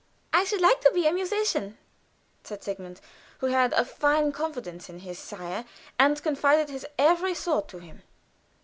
"I should like to be a musician," said Sigmund, who had a fine confidence in his sire, and confided his every thought to him.